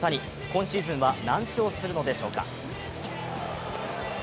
今シーズンは何勝するのでしょうか。